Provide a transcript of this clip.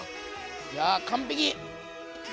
いや完璧！